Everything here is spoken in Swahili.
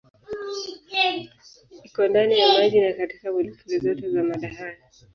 Iko ndani ya maji na katika molekuli zote za mada hai.